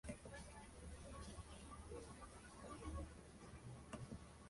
Memorias del exilio de Cuba".